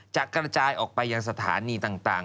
จะกระจายออกไปยังสถานีต่าง